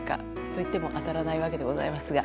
といっても当たらないわけでございますが。